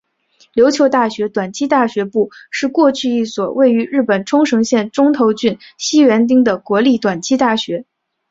琉球大学短期大学部是过去一所位于日本冲绳县中头郡西原町的国立短期大学。